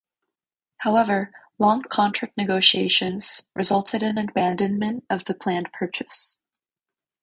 However, long contract negotiations resulted in abandonment of the planned purchase.